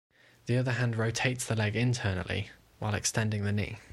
The other hand rotates the leg internally while extending the knee.